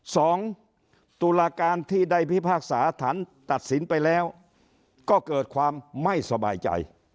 ตุลาการที่ได้พิพากษาฐานตัดสินไปแล้วก็เกิดความไม่สบายใจ